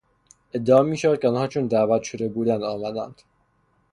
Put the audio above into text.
ادعا میشود که آنها چون دعوت شده بودند آمدند.